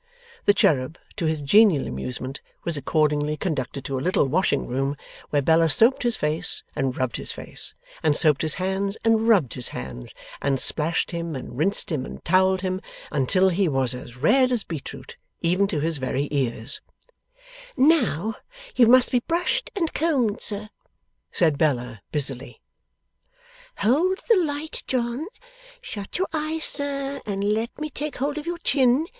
The cherub, to his genial amusement, was accordingly conducted to a little washing room, where Bella soaped his face and rubbed his face, and soaped his hands and rubbed his hands, and splashed him and rinsed him and towelled him, until he was as red as beet root, even to his very ears: 'Now you must be brushed and combed, sir,' said Bella, busily. 'Hold the light, John. Shut your eyes, sir, and let me take hold of your chin.